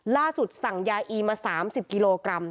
สั่งยาอีมา๓๐กิโลกรัม